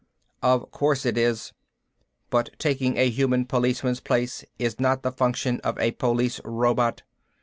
"Of course it is, but taking a human policeman's place is not the function of a police robot.